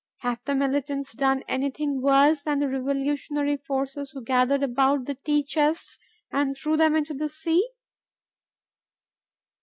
Have the militants done anything worse than the revolutionary forces who gathered about the tea chests and threw them into the sea?